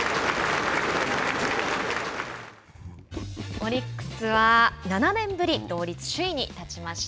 オリックスは７年ぶり同率首位に立ちました。